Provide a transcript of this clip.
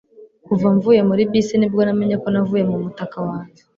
kuva mvuye muri bisi ni bwo namenye ko navuye mu mutaka wanjye